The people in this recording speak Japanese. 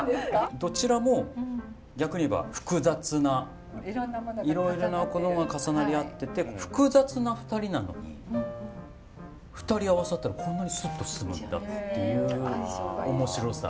どちらも逆に言えば複雑ないろいろなものが重なり合ってて複雑な２人なのに２人合わさったらこんなにスッと進むんだっていう面白さ。